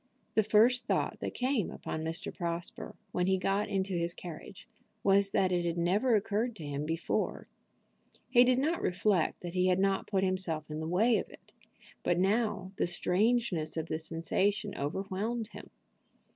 The first thought that came upon Mr. Prosper, when he got into his carriage, was that it had never occurred to him before. He did not reflect that he had not put himself in the way of it: but now the strangeness of the sensation overwhelmed him.